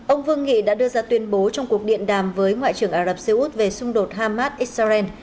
ông vương nghị đã đưa ra tuyên bố trong cuộc điện đàm với ngoại trưởng ả rập xê út về xung đột hamas israel